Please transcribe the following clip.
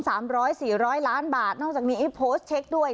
สามร้อยสี่ร้อยล้านบาทนอกจากนี้ไอ้โพสต์เช็คด้วย